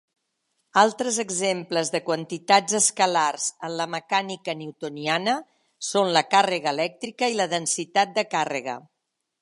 Altres exemples de quantitats escalars en la mecànica newtoniana són la càrrega elèctrica i la densitat de càrrega.